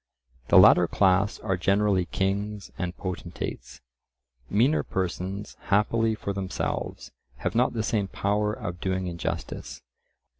The latter class are generally kings and potentates; meaner persons, happily for themselves, have not the same power of doing injustice.